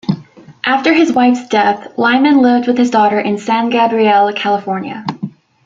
After his wife's death, Lyman lived with his daughter in San Gabriel, California.